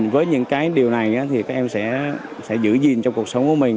với những cái điều này thì các em sẽ giữ gìn trong cuộc sống của mình